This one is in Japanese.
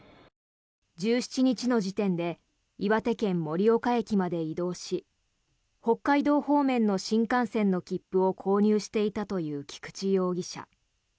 １７日の時点で岩手県・盛岡駅まで移動し北海道方面の新幹線の切符を購入していたという菊池容疑者。